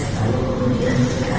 lalu kemudian kita ada